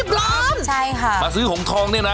๒๐ล้านใช่ค่ะมาซื้อหงษ์ทองเนี่ยนะ